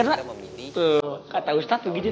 mengajarkan bagaimana kita memilih